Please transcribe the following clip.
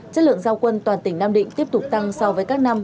chất lượng giao quân toàn tỉnh nam định tiếp tục tăng so với các năm